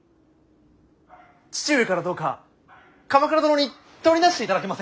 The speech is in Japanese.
父上からどうか鎌倉殿にとりなしていただけませんか。